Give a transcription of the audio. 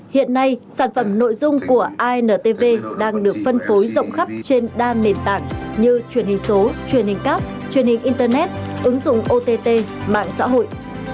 hiện nay sản phẩm nội dung của intv đang được phân phối rộng khắp trên đa nền tảng như truyền hình số truyền hình cáp truyền hình internet ứng dụng ott mạng xã hội